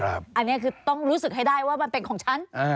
อันนี้คือต้องรู้สึกให้ได้ว่ามันเป็นของฉัน